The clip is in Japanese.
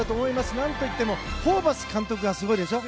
何といってもホーバス監督がすごいでしょ。